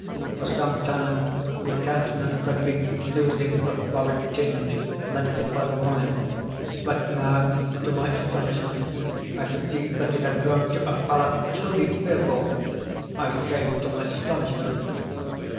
For some time his countenance had been losing the florid tinge lent it by the wine; but now, to my astonishment, I perceived that it had grown to a pallor truly fearful. I say to my astonishment.